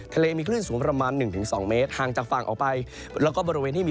ทะเลมีคลิ้นสูงประมาณ๑๒เมตรหางจากฝั่งออกไป